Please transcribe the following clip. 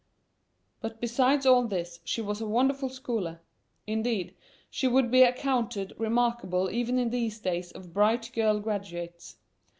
But besides all this she was a wonderful scholar; indeed, she would be accounted remarkable even in these days of bright girl graduates.